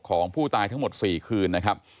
ของผู้ตายทั้งหมด๔คืนนะครับ